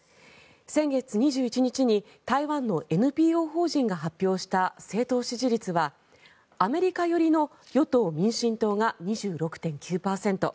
先月２１日に台湾のＮＰＯ法人が発表した政党支持率はアメリカ寄りの与党・民進党が２６．９％